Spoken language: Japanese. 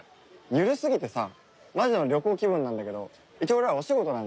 緩すぎてさマジの旅行気分なんだけど一応俺らお仕事なんで。